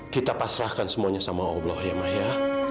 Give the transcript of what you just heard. kita pasrahkan semuanya sama allah ya ma ya